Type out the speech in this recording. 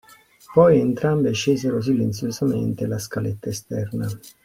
Poi entrambe scesero silenziose la scaletta esterna.